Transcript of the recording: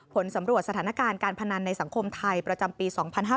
ผลสำรวจสถานการณ์การพนันในสังคมไทยประจำปี๒๕๕๙